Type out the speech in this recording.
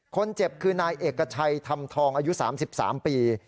คนเจ็บคือนายเอกชัยธรรมทองอายุ๓๓ปี